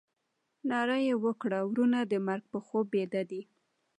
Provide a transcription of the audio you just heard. ناره یې وکړه ورونه د مرګ په خوب بیده دي.